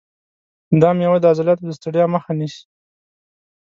دا مېوه د عضلاتو د ستړیا مخه نیسي.